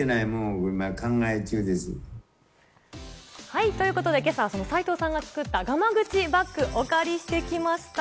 はい、ということで、今朝はその齋藤さんが作った、がま口バッグをお借りしてきました。